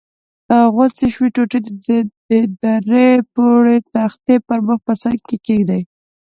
غوڅې شوې ټوټې د درې پوړه تختې پر مخ په څنګ کې کېږدئ.